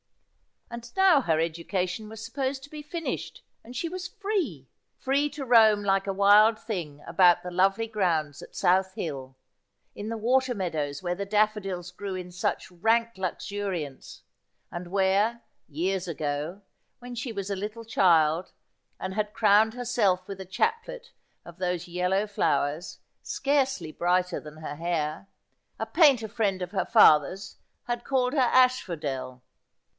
And now her education was supposed to be finished, and she was free — free to roam like a wild thing about the lovely grounds at South Hill, in the water meadows where the daffodils grew in such rank luxuriance ; and where, years ago, when she was a little child, and had crowned herself with a chaplet of those yellow flowers, scarcely brighter than her hair, a painter friend of her father's had called her Asphodel.